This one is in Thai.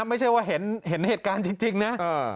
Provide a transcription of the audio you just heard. ไม่ใช่ว่าเห็นเหตุการณ์จริงนะ